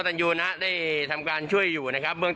ได้ช่วยจุดช่วยอยู่